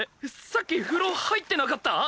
さっき風呂入ってなかった！？